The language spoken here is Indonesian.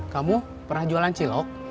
kamu pernah jualan cilok